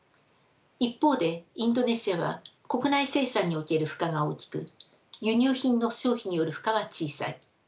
一方でインドネシアは国内生産における負荷が大きく輸入品の消費による負荷は小さい。